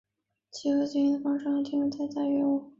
其后现时经营为中国内地房地产行业和金融借贷业务。